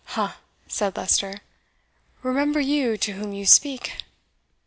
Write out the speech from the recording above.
"Ha," said Leicester, "remember you to whom you speak?"